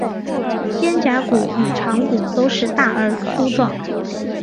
肩胛骨与肠骨都是大而粗壮。